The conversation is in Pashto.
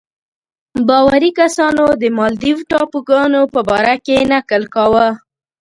باوري کسانو د مالدیو ټاپوګانو په باره کې نکل کاوه.